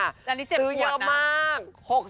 อันนี้๗ปวดนะค่ะซื้อเยอะมาก